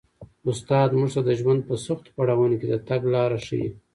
استاد موږ ته د ژوند په سختو پړاوونو کي د تګ لاره ښيي.